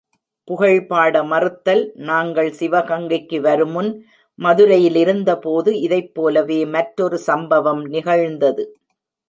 புகழ்பாட மறுத்தல் நாங்கள் சிவகங்கைக்கு வருமுன் மதுரையிலிருந்தபோது இதைப் போலவே மற்றொரு சம்பவம் நிகழ்ந்தது.